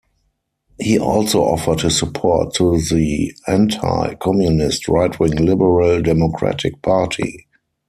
He also offered his support to the anti-communist right-wing Liberal Democratic Party.